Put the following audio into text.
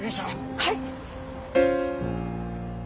はい！